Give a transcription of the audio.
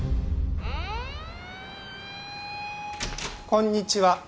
こんにちは。